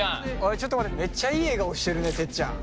ちょっと待ってめっちゃいい笑顔してるねてっちゃん。